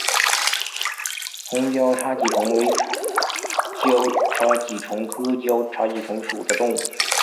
红交叉棘虫为交叉棘虫科交叉棘虫属的动物。